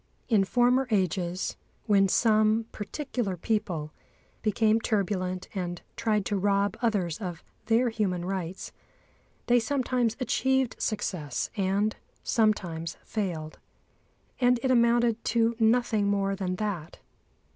In former ages, when some particular people became turbulent and tried to rob others of their human rights, they sometimes achieved success and sometimes failed. And it amounted to nothing more than that.